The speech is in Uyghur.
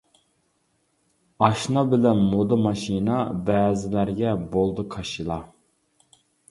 ئاشنا بىلەن مودا ماشىنا، بەزىلەرگە بولدى كاشىلا.